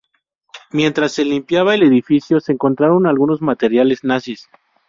Mientras se limpiaba el edificio se encontraron algunos materiales nazis.